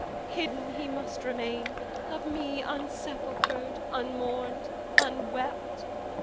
Hidden he must remain, Of me unsepulchred, unmourned, unwept.